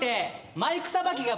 マイクさばき！